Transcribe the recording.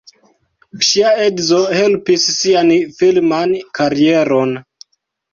Ŝia edzo helpis sian filman karieron.